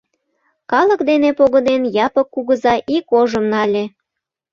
Калык дене погынен, Япык кугыза ик ожым нале.